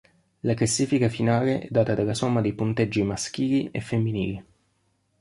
La classifica finale è data dalla somma dei punteggi maschili e femminili.